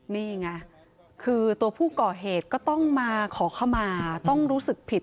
นี่ไงคือตัวผู้ก่อเหตุก็ต้องมาขอเข้ามาต้องรู้สึกผิด